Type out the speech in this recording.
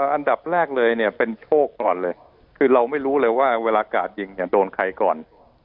อันดับแรกเลยเนี่ยเป็นโชคก่อนเลยคือเราไม่รู้เลยว่าเวลากาดยิงเนี่ยโดนใครก่อน